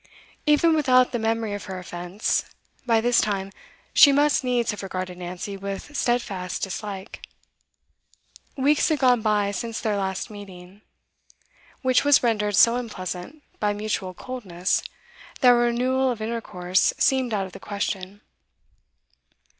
Even without the memory of her offence, by this time she must needs have regarded Nancy with steadfast dislike. Weeks had gone by since their last meeting, which was rendered so unpleasant by mutual coldness that a renewal of intercourse seemed out of the question.